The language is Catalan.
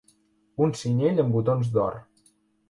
Un cinyell amb botons d'or.